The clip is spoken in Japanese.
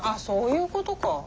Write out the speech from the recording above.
そういうことか。